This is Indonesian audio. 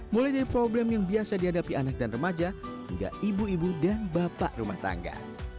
mulai dari problem yang biasa dihadapi anak dan remaja hingga ibu ibu dan bapak rumah tangga